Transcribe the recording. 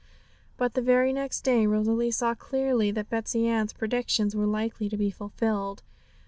But the very next day Rosalie saw clearly that Betsey Ann's predictions were likely to be fulfilled.